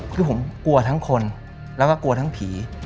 คือผมกลัวทั้งคนแล้วก็กลัวทั้งผี